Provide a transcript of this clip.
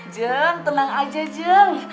jun tenang aja jun